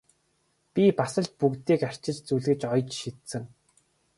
Би бас л бүгдийг арчиж зүлгэж оёж шидсэн!